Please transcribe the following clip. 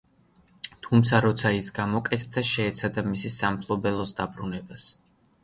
თუმცა, როცა ის გამოკეთდა შეეცადა მისი სამფლობელოს დაბრუნებას.